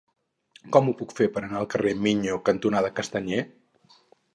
Com ho puc fer per anar al carrer Miño cantonada Castanyer?